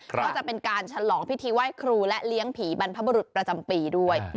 ก็จะเป็นการฉลองพิธีไหว้ครูและเลี้ยงผีบรรพบรุษประจำปีด้วย